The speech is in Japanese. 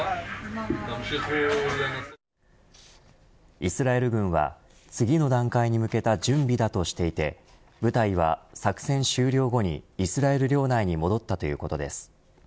イスラエル軍は、次の段階に向けた準備だとしていて部隊は作戦終了後にイスラエル領内に戻ったということです。